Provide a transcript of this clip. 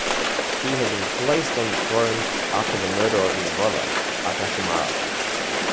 He had been placed on the throne after the murder of his brother Artashumara.